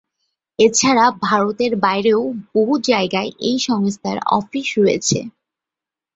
এছাড়া ভারতের বাইরেও বহু জায়গায় এই সংস্থার অফিস রয়েছে।